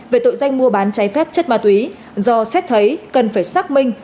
về tội danh mua bán cháy phép chất ma túy do xét thấy cần phải xác minh